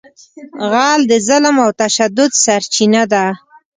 غل د ظلم او تشدد سرچینه ده